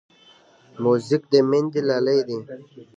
موزیک د میندې لالې دی.